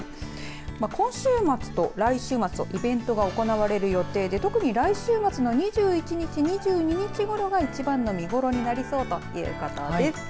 今週末と来週末イベントが行われる予定で特に来週末の２１日２２日ごろが一番の見頃となりそうということです。